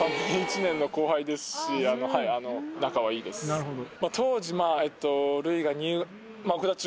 なるほど。